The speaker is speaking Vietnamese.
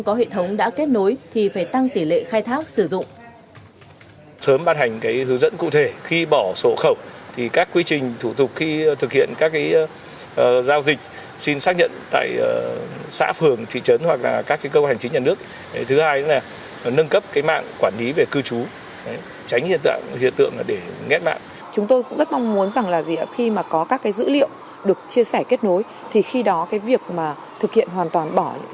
nhưng có hệ thống đã kết nối thì phải tăng tỷ lệ khai thác sử dụng